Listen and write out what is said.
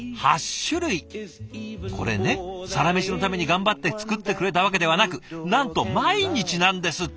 これね「サラメシ」のために頑張って作ってくれたわけではなくなんと毎日なんですって！